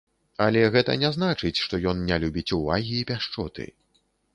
Але гэта не значыць, што ён не любіць увагі і пяшчоты.